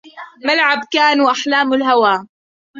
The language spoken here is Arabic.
ملعب كان وأحلام الهوى